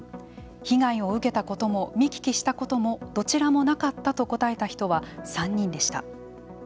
被害を受けたことも見聞きしたこともどちらもなかったと答えた人は３人でした。